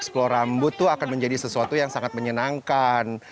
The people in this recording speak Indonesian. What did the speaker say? kayaknya untuk eksplor rambut tuh akan menjadi sesuatu yang sangat menyenangkan